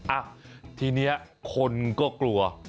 อ่ะทีนี้คนก็กลัว